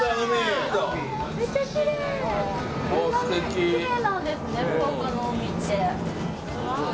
こんなにきれいなんですね福岡の海って。